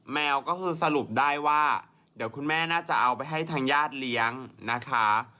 แมวก็คือสรุปได้ว่าเดี๋ยวคุณแม่น่าจะเอาไปให้ทางญาติเลี้ยงนะคะ